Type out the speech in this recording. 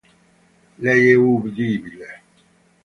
Lei è udibile.